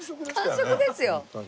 完食ですよ。